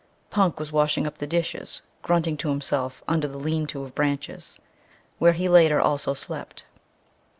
Punk was washing up the dishes, grunting to himself under the lean to of branches, where he later also slept.